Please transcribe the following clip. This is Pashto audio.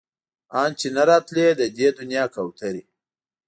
ان چې نه راتلی د دې دنيا کوترې